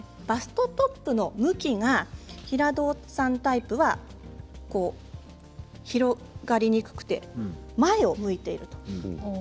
バストトップの向きが平胴さんタイプは広がりにくくて前を向いている。